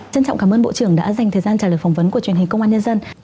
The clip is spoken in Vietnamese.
trân trọng cảm ơn bộ trưởng đã dành thời gian trả lời phỏng vấn của truyền hình công an nhân dân